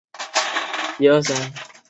同年改广西学政。